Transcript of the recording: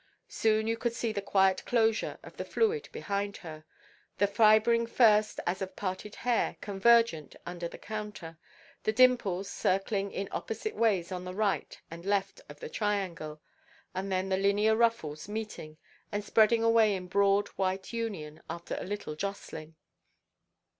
Soon you could see the quiet closure of the fluid behind her, the fibreing first (as of parted hair) convergent under the counter, the dimples circling in opposite ways on the right and left of the triangle, and then the linear ruffles meeting, and spreading away in broad white union, after a little jostling.